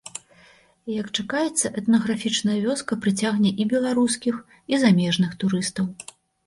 Як чакаецца, этнаграфічная вёска прыцягне і беларускіх, і замежных турыстаў.